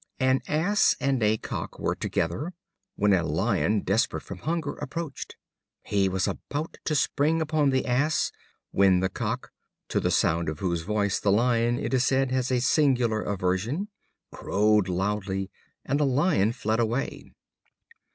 An Ass and a Cock were together, when a Lion, desperate from hunger, approached. He was about to spring upon the Ass, when the Cock (to the sound of whose voice the Lion, it is said, has a singular aversion) crowed loudly, and the Lion fled away.